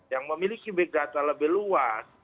yang memiliki bidata lebih luas